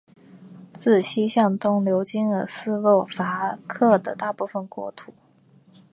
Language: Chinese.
自西向东流经了斯洛伐克的大部分国土。